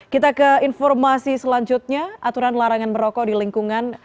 kita ke informasi selanjutnya aturan larangan merokok di lingkungan